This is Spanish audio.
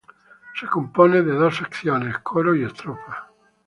Se compone por dos secciones, coro y estrofa.